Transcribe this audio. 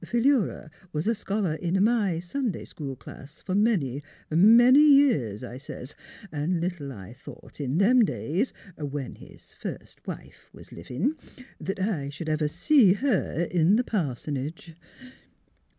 Philura was a scholar in my Sunday school class fer many, many years,' I sez, ' an' little I thought in them days, when his first wife was livin', that I sh'd ever see her in the pars'nage.'